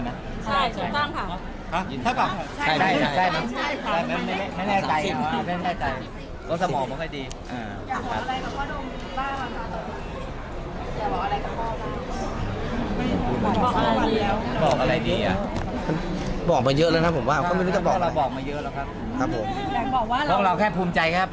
ไม่ใช่ว่าพ่อตายแล้วเรามาเฮฮาก็ไม่ใช่นะครับ